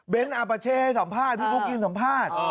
เบนให้สัมภาษณ์พี่บุ๊คกินสัมภาษณ์